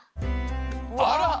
あら！